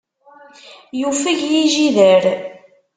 Yufeg yijider.